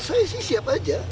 saya sih siap aja